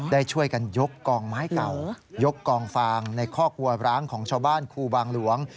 ได้ช่วยกันยกกองไม้เก่ายกกองฟางในคอกวัวร้างของชาวบ้านครูบางหลวง